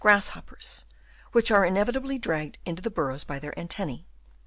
grasshoppers, which are invariably dragged into the burrow by their antennae.